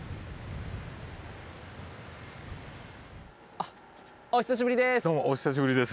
あっお久しぶりです！